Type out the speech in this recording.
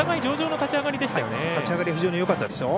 立ち上がり非常によかったですよ。